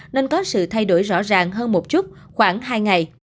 nên có sự thay đổi rõ ràng hơn một chút khoảng hai ngày